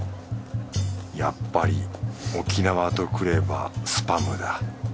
やっぱり沖縄とくればスパムだ。